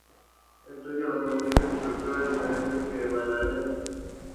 Estudia las posibles estructuras diferenciables que las variedades pueden portar.